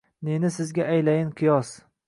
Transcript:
Neni sizga aylayin qiyos